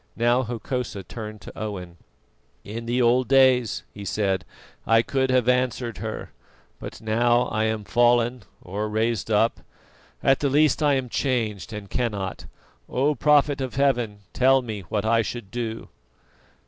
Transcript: Now Hokosa turned to Owen: "In the old days," he said, "I could have answered her; but now I am fallen; or raised up at the least I am changed and cannot. O prophet of Heaven, tell me what I shall do."